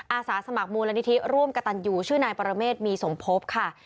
อาสาสมัครมูลนิธิร่วมกระตันอยู่ชื่อนายปรเมษมีสมภพค่ะ